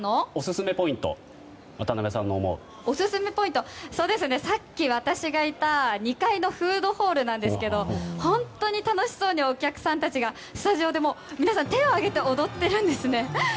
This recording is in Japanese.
オススメポイントはさっき私がいた２階のフードホールなんですけど本当に楽しそうにお客さんたちが、スタジオで皆さん手を上げて踊っているんですね。